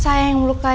saya yang melukai raja